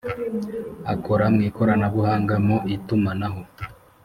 akora mw ikoranabuhanga mu itumanaho